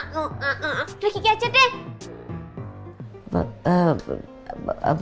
lagi lagi aja deh